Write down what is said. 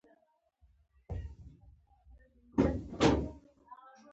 په ښوونځیو کې یې په پښتو تدریس پیل کړ.